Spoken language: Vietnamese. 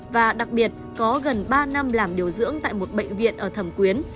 và đặc biệt có gần ba năm làm điều dưỡng tại một bệnh viện ở thẩm quyến